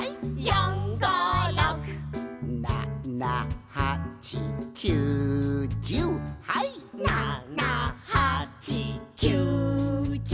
「４５６」「７８９１０はい」「７８９１０」